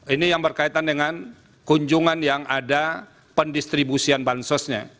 ini yang berkaitan dengan kunjungan yang ada pendistribusian bansosnya